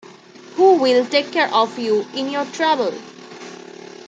Who will take care of you in your trouble?